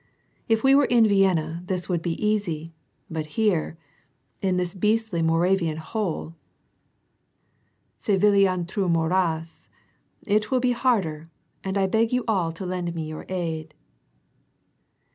If we were in Vienna this would be easy, but here — in this beastly Moravian hole — ce vUain trou Tuorace, it will be harder and 1 beg you all to lend me your aid.